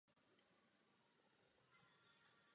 Zvláště velký počet jich je v jižní Indii.